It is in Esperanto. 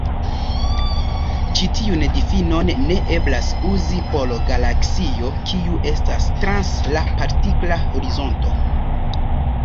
Ĉi tiun difinon ne eblas uzi por galaksio kiu estas trans la partikla horizonto.